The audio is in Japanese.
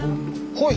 ほい！